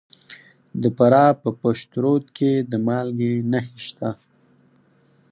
د فراه په پشت رود کې د مالګې نښې شته.